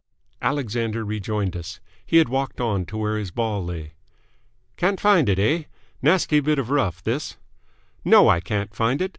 Alexander rejoined us. He had walked on to where his ball lay. "Can't find it, eh? Nasty bit of rough, this!" "No, I can't find it.